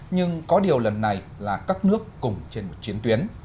nhưng có điều lần này là các nước cùng trên một chiến tuyến